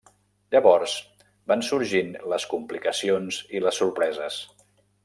Llavors van sorgint les complicacions i les sorpreses.